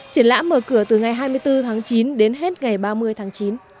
triển lãm mở cửa từ ngày hai mươi bốn tháng chín đến hết ngày ba mươi tháng chín